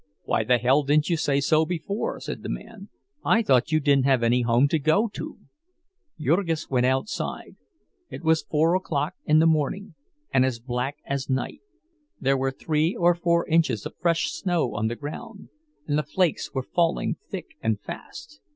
"Why the hell didn't you say so before?" said the man. "I thought you didn't have any home to go to." Jurgis went outside. It was four o'clock in the morning, and as black as night. There were three or four inches of fresh snow on the ground, and the flakes were falling thick and fast.